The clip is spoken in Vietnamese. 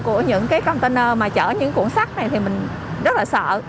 của những cái container mà chở những cuộn sắt này thì mình rất là sợ